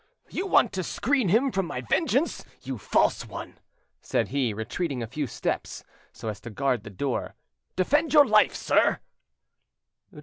"You want to screen him from my vengeance, you false one!" said he, retreating a few steps, so as to guard the door. "Defend your life, sir!"